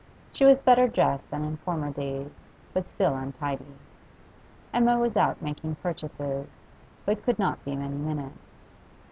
She was better dressed than in former days, but still untidy. Emma was out making purchases, but could not be many minutes.